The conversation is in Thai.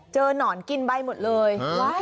หนอนกินใบหมดเลย